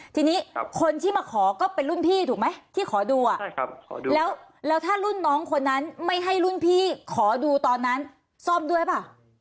ทีนี้คนที่มาขอก็เป็นรุ่นพี่ถูกไหมที่ขอดูแล้วถ้ารุ่นน้องคนนั้นไม่ให้รุ่นพี่ขอดูตอนนั้นซ่อมด้วยเปล่า